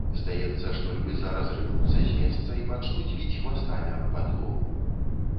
Здаецца, што львы зараз рынуцца з месца і пачнуць біць хвастамі аб падлогу.